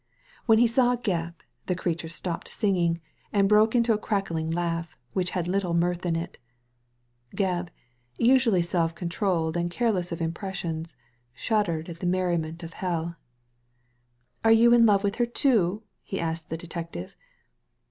When he saw Gebb, the creature stopped singing, and broke into a cackling laugh, which had little mirth in it Gebb — usually self controlled and care less of impressions — shuddered at that merriment of helL "Are you in love with her too?" he asked the detective.